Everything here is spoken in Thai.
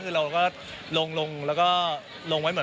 คือเราก็ลงแล้วก็ลงไว้